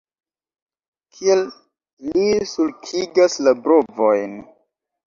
Kiel li sulkigas la brovojn!